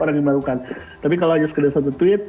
orang yang melakukan tapi kalau hanya sekedar satu tweet